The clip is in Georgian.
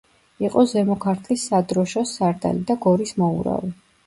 იყო ზემო ქართლის სადროშოს სარდალი და გორის მოურავი.